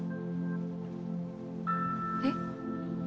えっ？